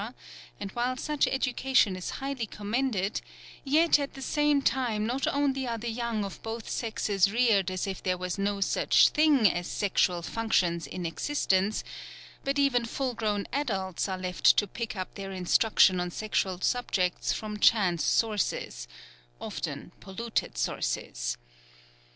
and while such education is highly commended, yet at the same time not only are the young of both sexes reared as if there was no such thing as sexual functions in existence, but even full grown adults are left to pick up their instruction on sexual subjects from chance sources often polluted sources.